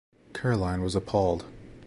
Caroline was appalled.